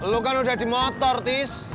lu kan udah di motor tis